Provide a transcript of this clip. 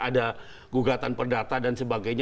ada gugatan perdata dan sebagainya